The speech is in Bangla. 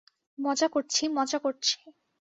মজা করছি, মজা করছি।